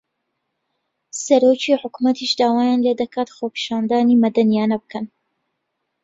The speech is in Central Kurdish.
سەرۆکی حکوومەتیش داوایان لێ دەکات خۆپیشاندانی مەدەنییانە بکەن